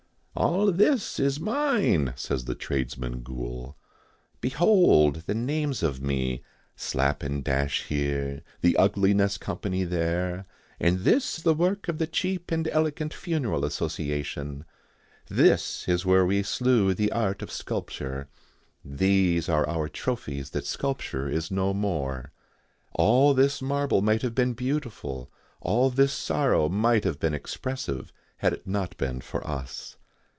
"All this is mine," says the tradesman ghoul. "Behold the names of me Slap & Dash here, the Ugliness Company there, and this the work of the Cheap and Elegant Funeral Association. This is where we slew the art of sculpture. These are our trophies that sculpture is no more. All this marble might have been beautiful, all this sorrow might have been expressive, had it not been for us.